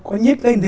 có nhít lên tí